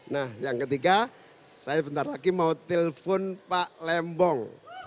nah yang ketiga saya bentar lagi mau telpon pak lembong